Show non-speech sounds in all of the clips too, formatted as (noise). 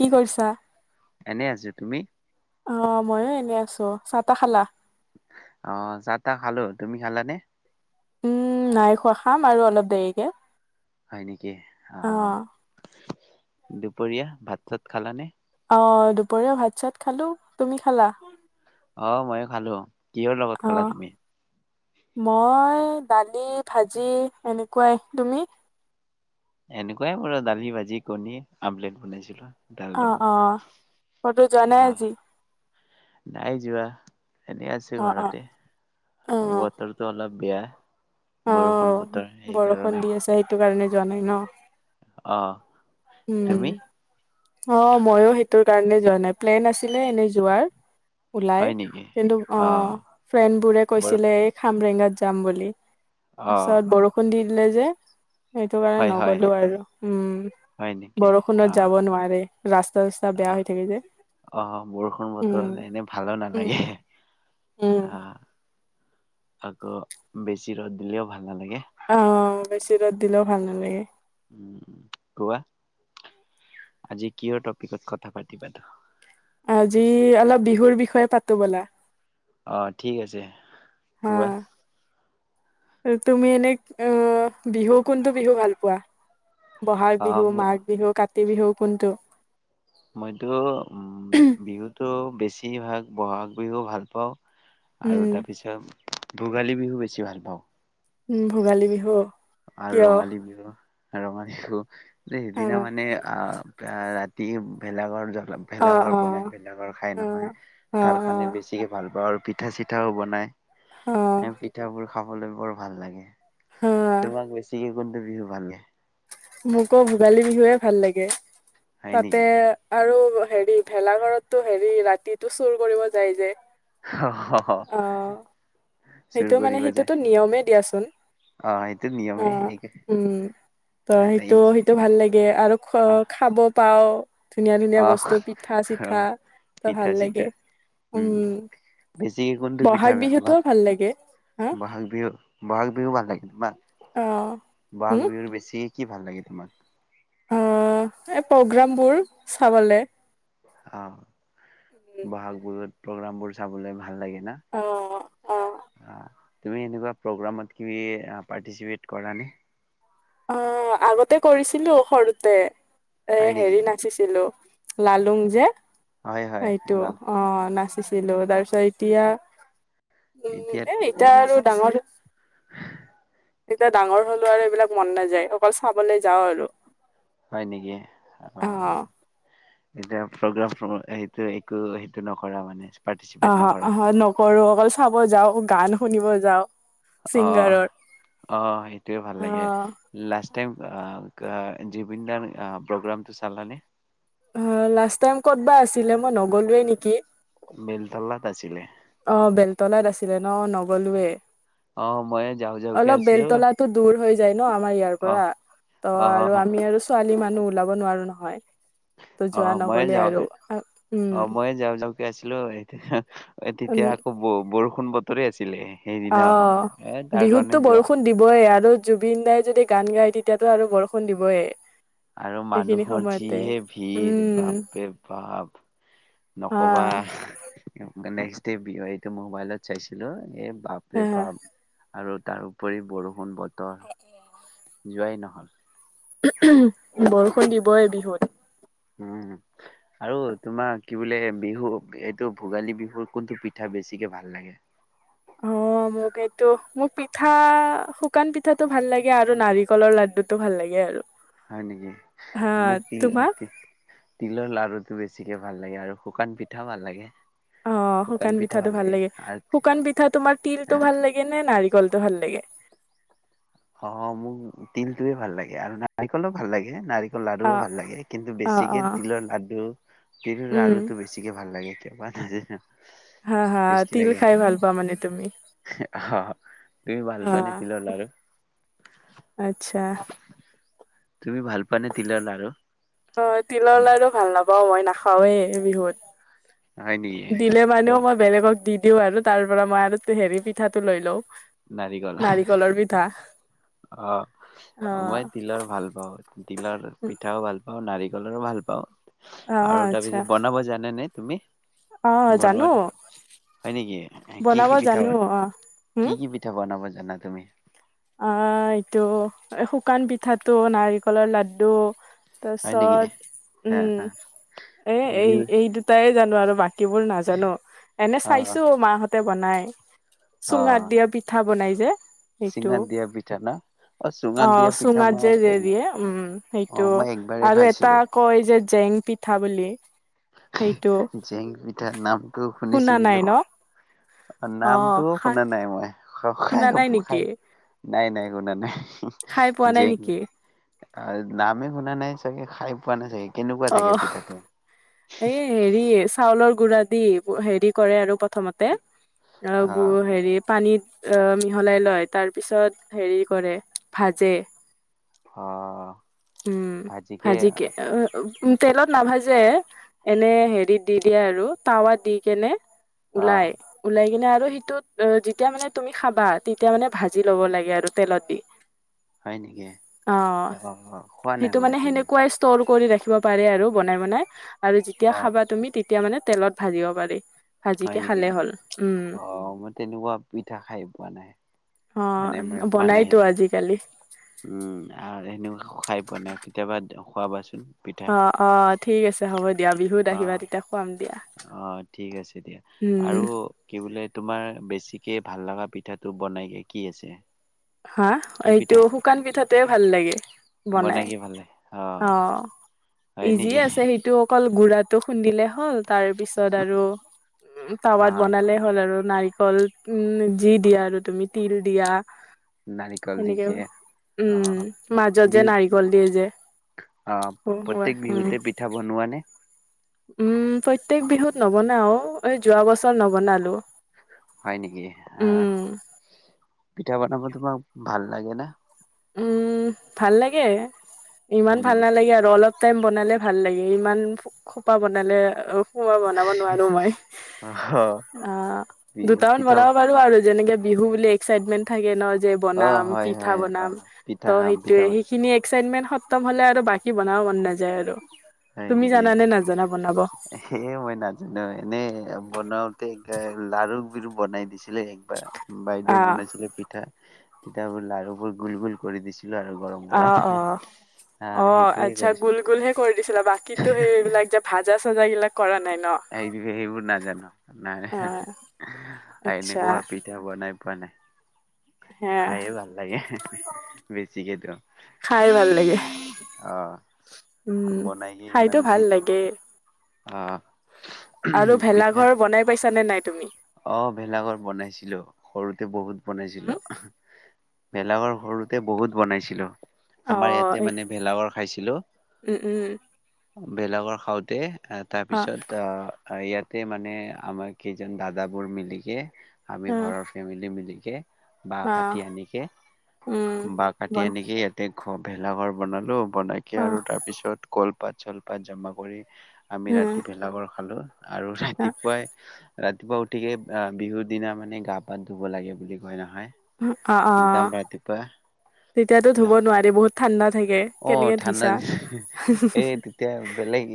কি কৰিছা। এনেই আছো তুমি। অ ময়ো এনে আছো চাহ তাহ খালা। অহ যাহ তাহ খালো তুমি খালানে। উম নাই খোৱা খাম আৰু অলপ দেৰিকে। হয় নেকি অ। দুপৰীয়া ভাত চাত খালানে। অ দুপৰীয়াও ভাত চাত খালো তুমি খালা। অ ময়ো খালো কিহৰ লগত খালা অ', তুমি। মই দালি ভাজি এনেকোৱাই তুমি। এনেকোৱাই মোৰ দালি ভাজি কণী আমলেট বনাইছিলো। দাল অ লগত অ কতো জানাই আহ আজি। নাই যোৱা। এনেই আছে অ', অ', ঘৰতে অ', বতৰটো অলপ। বেয়া। অ বৰষুণ বতৰ বৰষুণ সেইকাৰণে দি আছে সেইটো কাৰণে যোৱা নাই ন। (unintelligible) অহ। উম অ ময়ো সেইটো। কাৰণে যোৱা নাই প্লেন আছিলে এনেই যোৱাৰ। ওলাই হয় নেকি কিন্তু অ ফ্ৰেণ্ড বোৰে বৰ কৈছিলে এই খামৰেগা। যাম বুলি। অ তাৰপিছত বৰষুণ দিন। দিলে যে। সেইটো কাৰণে হয় হয় নগ'লো আৰু উম। হয় নেকি অ বৰষুণত যাব নোৱাৰে ৰাস্তা চাস্তা অ বেয়া হৈ থাকে যে অ বৰষুণ বতৰত উম এনে ভালো উ নালাগে উম। অ আকৌ বেছি ৰ'দ দিলেও ভাল নালাগে। অ বেছি ৰ'দ দিলেও ভাল নালাগে। কোৱা আজি কিয় টপিকত কথা পাতিবা তো। আজি অলপ বিহুৰ বিষয়ে পাতো ব'লা। অহ ঠিক আছে। হা। কোৱা তুমি এনে আহ বিহু কোনটো বিহু ভাল পোৱা। বহাগ অ বিহু, মাঘ বিহু, কাতি। বিহু কোনটো? মইতো উম বিহুটো বেছ। বেছিভাগ বহাগ বিহু ভাল পাওঁ। উম আৰু তাৰপিছত। ভোগালী বিহু বেছি ভাল পাওঁ। উম ভোগালী বিহু অ। আৰু কিয় ৰঙালী বিহু। আৰু আমাৰ ছো। যে সেইদিনা মানে আ। ৰাতি ভেলাগৰ। অ ভেলঘৰ অ অ বনাই ভেলাঘৰ খাই নহয় অ অ তাৰ কাৰণে বেছিকে ভাল পাওঁ আৰু। পিঠা চিঠাও বনায়। এ অ পিঠা পোৰা। খাবলৈ বৰ ভাল লাগে। অ তোমাক বেছি। কোনটো বিহু ভাল লাগে? মোকো ভোগালী বিহুৱে ভাল লাগে। হয় তাতে নেকি আৰু। হেৰি ভেলাঘৰতটো হেৰি ৰাতিটো চুৰ কৰিব যায় যে। হহ হ হ। অ সেইটো মানে সেইটোতো নিয়মে দিয়াচো। অ সেইটো নিয়মে অঁ, উম ত এটা সেইটো সেইটো ভাল লাগে আৰু খ আহ খাব পাওঁ। ধুনীয়া ধুনীয়া আহ বস্তু পিঠা চিঠা ত পিঠা ভাল লাগে চিঠা উম বেছিকে কোনটো পিঠা বহাগ ভাল বিহুতো। বহাগ বিহুত বহাগ বিহু ভাল লাগে। তোমাক অ উম বহাগ বিহুৰ বেছি। কি ভাল লাগে তোমাক। অ এই প্ৰগ্ৰামবোৰ চাবলে। অঁ, বহাগ বিহুত। প্ৰগ্ৰাম বোৰ চাবলৈ ভাল লাগে। অ অ আহ। তুমি সেনেকুৱা প্ৰগেম তুমি আহ পাৰ্টিচিপেত কৰা নে? অ আগতে কৰিছিলো সৰুতে হয় এ হেৰি নেকি নাচিছিলো লালুং যে হয় হয় সেইটো দাল অ না ছিলো তাৰপিছত এতিয়া উম এতিয়া এ এতিয়া আৰু ডাঙৰ এতিয়া ডাঙৰ হলো আৰু এইবিলাক মন নাযায় অকল চাবলৈ যাওঁ আৰু। হয় নেকি? অ এতি প্ৰগ্ৰাম সেইটো একো সেইটো নকৰা মানে। অ পাৰ্টিচিপেট নকৰা অ নকৰো। বল চাব যাওঁ গান শুনিব যাওঁ। অ ছিংগাৰৰ অ সেইটোয়ে ভাল লাগে অ লাষ্ট তেওঁক আ আ জুবিন দাৰ প্ৰগ্ৰামটো চালা নে? অ লাষ্ট টাইম ক'ত বা আছিলে মই নগলোৱে নেকি? বেলতলাত আছিলে। অ বেলতলাত আছিলে ন নগলোয়ে। অ', ময়ে যাওঁ যাওঁকে অলপ আছিলো বেলতলা দূৰ হৈ যায় ন আমাৰ ইয়াৰ অ', পৰা ত আৰু অ', আমি আৰু ছোৱালী মান ওলাব নোৱাৰো নহয়। ত অ যোৱা ময়ে নগলে যাওঁ, আৰু উম অ ময়ে যাওঁ যাওক আছিলো এতিয়া এ উম তেতিয়া আকৌ বৌ বৰষুণ বতৰে আছে। অ কাৰণে বিহুতো যোৱা বৰষুণ দিবই আৰু। জুবিন দাই যদি গান গায় তেতিয়াতো আৰু বৰষুণ দিবয়ে। আৰু মানুহৰ যিহে ভিৰ উম বাপৰে বাপ হা নকবা মানে এইটো মোবাইলত চাইছিলো এই হ বাপৰে বাপ আৰু তাৰোপৰি বৰষুণ বত তৰ যোৱাই নহ'ল। বৰষুণ দিবই বিহুত। উম আৰু তোমাৰ কি বোলে বিহু এইটো ভোগালী বিহুৰ কোনটো পিঠা বেছিকে ভাল লাগে? অ মোক এইটো মোক পিঠা শুকান পিঠাটো ভাল লাগে আৰু নাৰিকলৰ লাডুটো ভাল লাগে আৰু। হয় নেকি? হা মোক তিল তোমাৰ তি তিলৰ লাৰু বেছিকে ভাল লাগে আৰু শুকান পিঠাও ভাল লাগে। অ, শুকান পিঠাটো ভাল লাগে। শুকান পিঠা তোমাৰ তিলটো ভাল লাগে নে নাৰি কলটো ভাল লাগে? অ মোক তিলটোৱে ভাল লাগে আৰু নাৰিকলো ভাল লাগে নাৰিক অ লাৰুও ভাল লাগে। কিন্তু অ অ বেছিকে তিলৰ লাডু তিল উম লাৰুটো বেছিকে ভাল লাগে। তি প আ (unintelligible) হা হা, তিল খাই ভাল পা মানে তুমি? অ তুমি ভাল অ পানে তিলৰ লাৰু? আচ্ছা। তুমি ভাল পোৱানে তিলৰ লাৰু অ তিলৰ লাৰু ভাল নাপাও মই না খাওৱে হয় নেকি বিহুত দিলে এ মানেও মই বেলেগক দি দিওঁ আৰু তাৰ পৰা মই আৰু হেৰি পিঠাটো লৈ লওঁ। নাৰিকল। অ অ মই তিলৰ ভাল পাওঁ। তিলৰ পিঠাও ভাল নাৰিকলৰো ভাল পাওঁ। অ আৰু আচ্ছা তাৰপিছত বনাব জানে নে? তুমি? অ বনোৱা জানো। নে হয় নেকি কি বনাব কি পিঠা জানো। বন অ, হুম? কি কি পিঠা বনাব জানা তুমি অ এইটো শুকান পিঠাটো, নাৰিকলৰ লাড্ডু হয় নেকি তাৰপিছত অ উম এ অ এই বিহু এই দুটাই জানো আৰু বাক বাকীবোৰ নাজানো। এনে অ চাইছো মাহঁতে বনায় অ চুঙাত দিয়া পিঠা বনাই যে টো চুঙাত দিয়া পিঠা ন চুঙাত অ দিয়া পিঠা চুঙাত মই যে দি এক দিয়ে, উম অ সেইটো মই একবাৰেই আৰু এটা খাইছিলো কয় যে জেং পিঠা বুলি সেইটো জেং পিঠাৰ নামটো শুনা শুনিছো, নাই কিন্তু ন অ নামটো খা শুনা নাই মই। খাই শুনা হব নাই খাই নেকি নাই নাই। শুনা নাই। খাই পোৱা নাই নেকি? আৰু নামেই শুনা নাই চাগে খাই পোৱা নাই চাগে। কেনেকুৱা অ থাকে পিঠাটো এ হেৰি চাউলৰ গুৰাত দি হেৰি কৰে আৰু প্ৰথমতে অ আহ গুৰৰ হেৰি পানীত অ মিহলাই লয় তাৰ পিছত হেৰি কৰে ভাজে। অ উম ভাজি কে অ উ তেলত নাভাজে এনে হেৰিত দি দিয়ে আৰু তটাৱাত দি কেনে আহ ওলাই ওলাই কিনে সিটোত যেতিয়া মানে তুমি খাবা তেতিয়া মানে ভাজি ল'ব লাগে আৰু তেলত দি। হয় নেকি? অ খোৱা নাই সেইটো মই মানে তেনেক সেনেকুৱাই ষ্ট ৰু কৰি ৰাখিব পাৰে আৰু বনাই বনাই। আৰু অ যেতিয়া খাবা তুমিয়া তেতিয়া তেতিয়া মানে তেলত ভাজিব পাৰি। হয় ভাজিকে নেকি? খালে হ'ল উম অ মই তেনেকুৱা পিঠা খাই পোৱা নাই অ মানে মই খোৱা নাই বনাইতো সেনেকুৱা আজিকালি উম আৰু সেনেকুৱা খাই পোৱা নাই কেতিয়াবা খুৱাবাচোন। অ অ ঠিক আছে হ'ব দিয়া বিহুত আহিবা আহ তেতিয়া খুৱাম দিয়া। অ ঠিক আছে দিয়া উম, আৰু কি বোলে তোমাৰ বেছিকে ভাল লগা পিঠাটো বনাই কি আছে? হা কি এইটো পিঠা শুকান পিঠাটোৱে ভাল লাগে বনাই কি ভাল লাগে? অ। হয় ইজিয়ে নেকি? আছে সেইটো অকল গুড়াটো খুন্দিলে হ'ল তাৰ পিছত আৰু উ টাবাত অ', বনালে হ'ল আৰু। নাৰিকল উম যি দিয়া আৰু তুমি তিল দিয়া নাৰিকল দি সেনেকে খে উম অ', মাজত যে বিহু নাৰিকল দিয়ে যে। অ উম, প্ৰত্যেক বিহুতে পিঠা বনোৱা নে? উম, প্ৰত্যেক বিহুত নবনাও এই যোৱা বছৰ নবনালো। হয় নেকি আহ? উম, পিঠা বনাব তোমাক ভাল লাগেনে? উম ভাল লাগে। ইমান হয় ভাল নেকি? নালাগে আৰু অলপ টাইম বনালে ভাল লাগে ইমান খোপা বনালে মই বনাব নোৱাৰো মই। অ', অ দুটামান পিঠা বনাব পাৰো আৰু যেনেকে বিহু বুলি এক্সাইটমেণ্ট থাকে ন। যে অ', বনাম হয়, পিঠা হয়, বনাম অ', ত পিঠা খাম, পিঠা সেইটোয়ে বন সেইখিনিয়ে এক্সাইটমেণ্ট সত্তম হ'লে আৰু বাকী বনাব মন নাযায় আৰু। হয় তুমি নেকি? জানানে নাজানা বনাব এই মই নাজানো এনেই বনাওঁতে লাৰু বনাই দিছে- ছিলে একবাৰ অ বাইদেউও বনাইছিলে পিঠা তেতিয়া লাৰু পৰত গুল গুল কৰি দিছো। আৰু গৰম অ গতে অ সেইটোৱেই কৰিচো। ছিল বাকীতো সেইবিলাক ভাজা চজা গ কৰা নাই? ন হ সেইবোৰ নাজানো নাই অ আচ্ছা এনেকুৱা পিঠা বনাই পোৱা নাই। হে খায়ে ভাল লাগে বেছিকেতো খাই ভাল লাগে (unintelligible) আহ উম, বনাই কি ইমান খাইতো ভাল সেইটো লাগে অ। আৰু ভেলা পিঠা ঘৰ বনাই পাইছা নে নাই? তুমি? অ ভেলাঘৰ বনাইছিলো সৰু তে বহুত হুম? বনাইছিলো। ভেলঘৰ সৰুতে বহুত বনাইছিলো। আমাৰ অ', ইয়াতে এই মানে ভেলাঘৰ খাইছিলো। উম, উম, ভেলাঘৰ খাওঁতে অ', তাৰপিছত অ ইয়াতে মানে আমাৰ কেইজন দাদা দাদাবোৰ মিলিকে আমি অ', ঘৰৰ ফেমিলি মিলি বাঁহ কাটি অ', আনিকে উম। বাঁহ কাটি বন আনিকে ইয়াতে অ'! ভেলাঘৰ বনালোঁ। বনাইকে আৰু অ', তাৰপিছত কলপাত কলপাত জমা কৰি আমি উম, ৰাতি ভেলা ঘৰ খালোঁ। আৰু অ', ৰাতিপুৱাই ৰাতিপুৱা উ গতিকে, বিহুৰ দিনা খনে গা পা ধুব লাগে বুলি কয় ন'। অ'! অ'! তেতিয়াতো, গা ধুব নোৱাৰি বহুত ঠাণ্ডা থাকে। অ'! কেনেকে ঠাণ্ডা ধুইছা? দি এই, তেতিয়া বেলেগ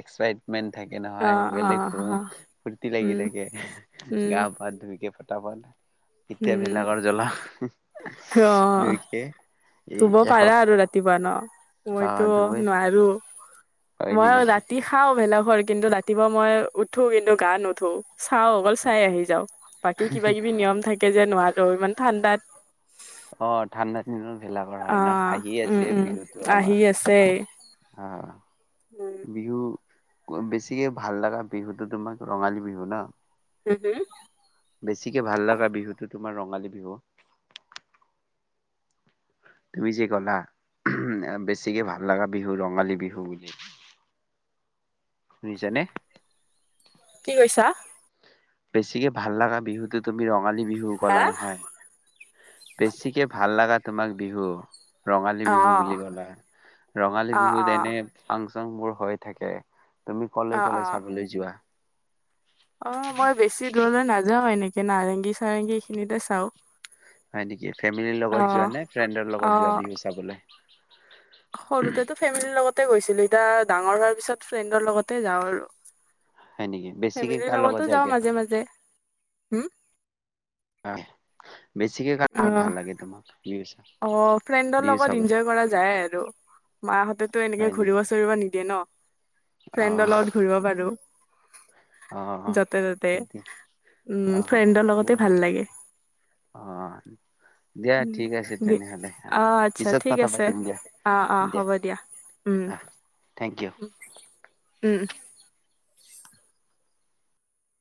এক্সাট মেন থাকে নহয়। অ', বেলেগ অ', অ', ফূৰ্তি লাগি উম, থাকে। উম, গা পা ধুইকে তাৰপা এতিয়া উম, বিলাকৰ জ্বলা, অ'। দুইকে এই ধুব এশ পাৰা আৰু ৰাতিপুৱা ন'? মইতো নোৱাৰোঁ। হয় মই নেকি ৰাতি খাওঁ ভেলা হয়। কিন্তু, ৰাতিপুৱা মই উঠো, কিন্তু গা নোধো। চাও অকল চাই আহি যাওঁ। বাকী কিবা কিবি নিয়ম থাকে। যে নোৱাৰোঁ ইমান ঠাণ্ডাত। অ'! ঠাণ্ডা দিনত ভেলা ঘৰ অ হয় ন'। আহি উম আছে উম বিহুতো আমাৰ। আহি আছে অ'! উম বিহু বেছিকে ভাল লগা বিহুটো তোমাক ৰঙালী বিহু ন'? হু! হু! বেছিকে ভাল লগা বিহুটো তোমাৰ ৰঙালী বিহু। তুমি যে ক'লা, বেছিকে ভাল লগা বিহু ৰঙালী বিহু বুলি। শুনিছানে? কি কৈছা? বেছিকে ভাল লগা বিহুতোত তুমি ৰঙালী বিহু হা ক'লা নহয়। বেছিকে ভাল লগা তোমাক বিহু ৰঙালী অ বিহু বুলি ক'লা। ৰঙালী অ বিহুত অ এনে ফাং যোনবোৰ হৈ থাকে। তুমি ক'লে অ অ ক'লে চাবলৈ যোৱা? অ'! মই বেছি দূৰলৈ নাযাওঁ এনে তে নাৰেংগী চাৰেংগী এইখিনিতে চাওঁ। হয় নেকি। ফ্ৰেমেলি অ লগত যোৱা নে ফ্ৰেণ্ডৰ অ লগত যোৱা বিহু চাবলৈ? সৰুতেতো ফ্ৰেমেলি লগত- তে গৈছিলো। এতিয়া ডাঙৰ হোৱাৰ পিছত ফ্ৰেণ্ডৰ লগতে যাওঁ আৰু। হয় নেকি? বেছিকে ফ্ৰেমেলিৰ কাৰ লগত লগতো যাওঁ যায়গে? মাজে, মাজে। হম। অহ বেছিকৈ কাৰ লগত ভাল লাগে তোমাৰ? অঁ ফ্ৰেণ্ডৰ লগত ইনজয় কৰা যায় আৰু। মা হতেতো হয় এনেকৈ নেকি? ঘূৰিব- চুৰিব নিদিয়ে। ন। ফ্ৰেণ্ডৰ লগত ঘূৰিব পাৰো। অঁ অঁ য'তে ত'তে। সেইটোয়ে, উম, অঁ ফ্ৰেণ্ডৰ সেইটো লগতে ভাল হয়। লাগে। আঁহ দিয়া ঠিক আছে। তেনেহ'লে অঁ আচ্ছা পিছত ঠিক কথা আছে। পাতিম দিয়া অঁ অঁ হ'ব দিয়া। আহ থেংক ইউ